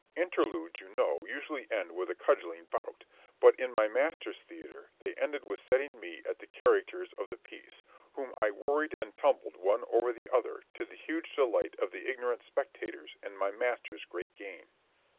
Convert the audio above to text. Interludes, you know, usually end with a cudgelling bout, but in my master's theatre they ended with setting me at the characters of the piece, whom I worried and tumbled one over the other, to the huge delight of the ignorant spectators, and my master's great gain.